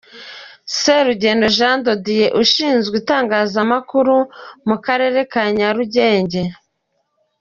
Serugendo Jean de Dieu Ushinzwe Itangazamakuru mu Karerere ka Nyarugenge.